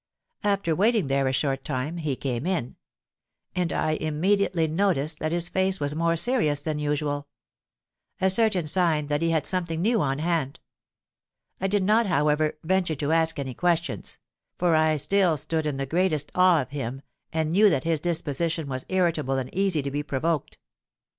After waiting there a short time, he came in; and I immediately noticed that his face was more serious than usual,—a certain sign that he had something new on hand. I did not, however, venture to ask any questions; for I still stood in the greatest awe of him, and knew that his disposition was irritable and easy to be provoked.